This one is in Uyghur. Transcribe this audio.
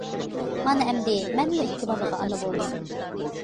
مانا ئەمدى مەنمۇ ئىككى بالىغا ئانا بولدۇم.